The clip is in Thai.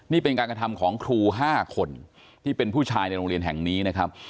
นี่เป็นการกระทำของครู๕คนที่เป็นผู้ชายในโรงเรียนแห่งนี้นะครับ